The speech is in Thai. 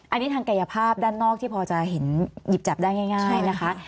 อันนี้ทางกายภาพด้านนอกที่พอจะเห็นหยิบจับได้ง่ายนะคะ